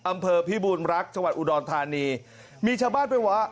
อำเภอพิบูรณรักษ์จังหวัดอุดรธานีมีชาวบ้านไปบอกว่า